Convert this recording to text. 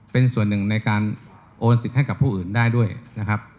เป็นส่วนหนึ่งในการโอนสิทธิ์ให้กับผู้อื่นได้ด้วยนะครับ